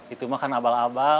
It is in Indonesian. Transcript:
itu makan abal abal